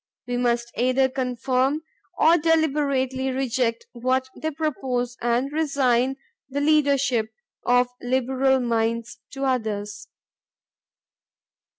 We must either conform or deliberately reject what they propose and resign the leadership of liberal minds to others.